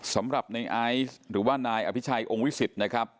สำหรับในไอซ์หรือว่านายอภิชัยองค์วิสิตนะครับ